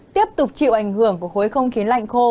tiếp tục chịu ảnh hưởng của khối không khí lạnh khô